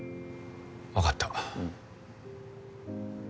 わかった。